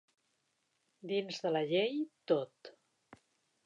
Dins de la llei, tot.